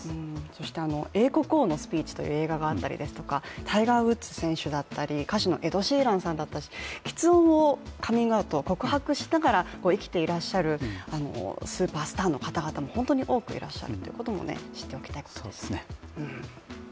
そして「英国王のスピーチ」という映画があったりですとかタイガー・ウッズ選手だったり歌手のエド・シーランさんだったりきつ音をカミングアウト、告白しながら生きていらっしゃるスーパースターの方々も本当に多くいらっしゃるということも知っておきたいですね。